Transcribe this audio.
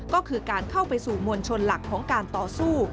ก็คือการเข้าไปสู่มวลชนหลักของการต่อสู้